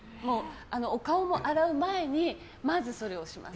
お顔を洗う前にまずそれをします。